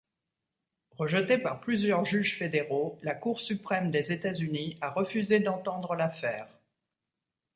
Rejeté par plusieurs juges fédéraux, la Cour suprême des États-Unis a refusé d'entendre l'affaire.